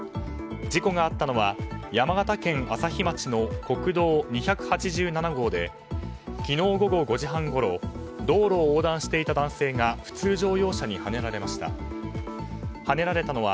事故があったのは山形県朝日町の国道２８７号で昨日午後５時半ごろ道路を横断していた男性が普通乗用車にはねられました。